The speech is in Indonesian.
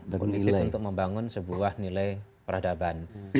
memilih untuk membangun sebuah nilai peradaban